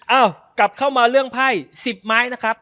เอ้ากลับเข้ามาเรื่องไพ่๑๐ไม้นะครับ